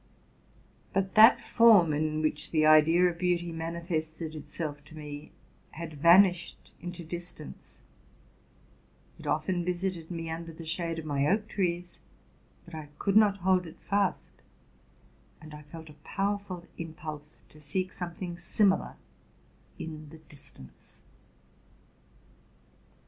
But that form in which the idea of beauty manifested itself to me had vanished into distance; it often visited me under the shade of my oak trees, but I could not hold it fast: and I felt a powerful impulse to seek something similar in the distance.